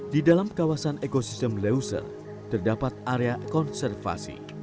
di dalam kawasan ekosistem leuser terdapat area konservasi